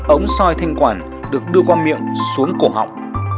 ống soi thanh quản được đưa qua miệng xuống cổ họng